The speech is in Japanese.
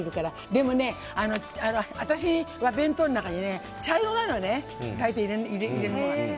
でもね、私は弁当の中に茶色なのね大抵、入れるものが。